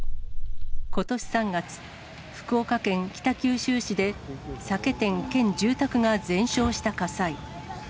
ことし３月、福岡県北九州市で酒店兼住宅が全焼した火災。